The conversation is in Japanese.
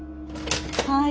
はい。